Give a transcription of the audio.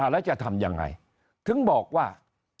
แล้วจะทำยังไงถึงบอกว่า